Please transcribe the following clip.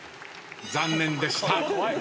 残念でした。